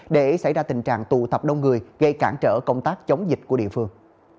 để xảy ra tình trạng tụ tập đông người gây cản trở công tác chống dịch của địa phương